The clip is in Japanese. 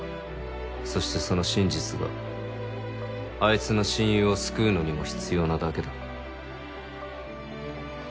そしてその真実があいつの親友を救うのにも必要なだけだ。